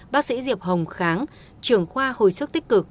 bác sĩ diệp hồng kháng trưởng khoa hồi sức tích cực